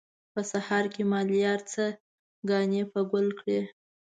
په سهار کې مالیار څه کانې په ګل کړي.